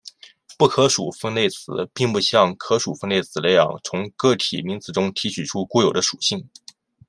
不可数分类词并不像可数分类词那样从个体名词中提取出固有的属性。